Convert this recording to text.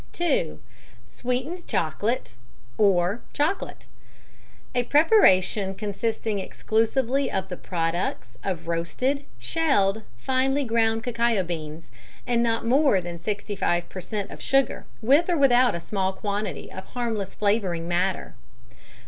(2) Sweetened chocolate or chocolate. A preparation consisting exclusively of the products of roasted, shelled, finely ground cacao beans, and not more than 65 per cent. of sugar, with or without a small quantity of harmless flavouring matter.